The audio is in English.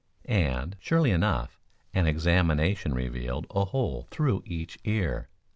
And, surely enough, an examination revealed a hole through each ear.